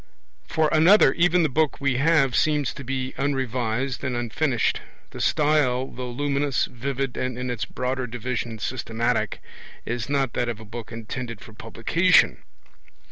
For another, even the book we have seems to be unrevised and unfinished. The style, though luminous, vivid, and in its broader division systematic, is not that of a book intended for publication.